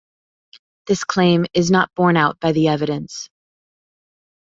This claim is not borne out by the evidence.